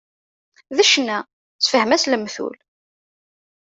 D ccna, sefhem-as lemtul.